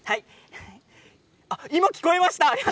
今聞こえました。